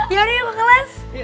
yaudah ya gue kelas